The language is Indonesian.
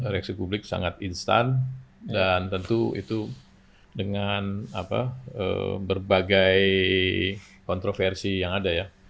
reaksi publik sangat instan dan tentu itu dengan berbagai kontroversi yang ada ya